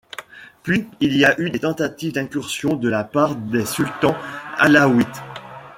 Puis, il y a eu les tentatives d'incursions de la part des sultans Alaouites.